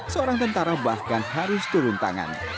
seorang tentara bahkan harus turun tangan